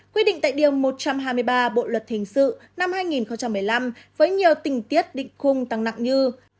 quy định tại điều một trăm hai mươi ba bộ luật hình sự năm hai nghìn một mươi năm với nhiều tình tiết định khung tăng nặng như